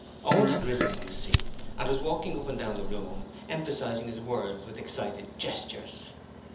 Owen had risen from his seat and was walking up and down the room emphasizing his words with excited gestures.